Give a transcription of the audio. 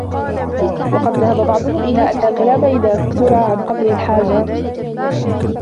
وَقَدْ ذَهَبَ بَعْضُهُمْ إلَى أَنَّ الْكَلَامَ إذَا كَثُرَ عَنْ قَدْرِ الْحَاجَةِ